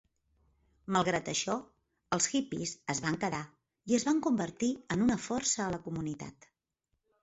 Malgrat això, els hippies es van quedar i es van convertir en una força a la comunitat.